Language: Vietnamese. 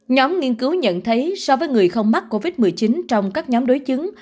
nhóm nghiên cứu nhận thấy so với người không mắc covid một mươi chín trong các nhóm đối chứng